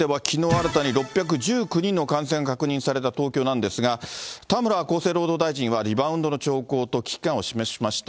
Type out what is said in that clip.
新たに６１９人の感染が確認された東京なんですが、田村厚生労働大臣は、リバウンドの兆候と危機感を示しました。